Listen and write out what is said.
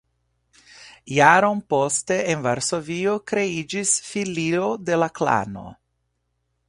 Jaron poste en Varsovio kreiĝis filio de la Klano.